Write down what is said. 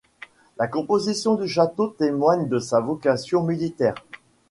La composition du château témoigne de sa vocation militaire.